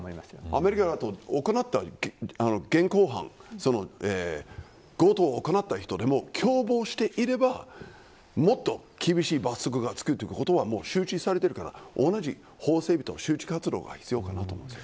アメリカだと現行犯強盗を行った人でも共謀していればもっと厳しい罰則がつくということは周知されてるから同じ法整備や周知活動が必要だと思います。